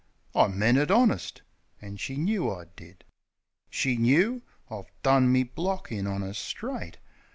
I meant it honest; an' she knoo I did. She knoo. I've done me block in on 'er, straight.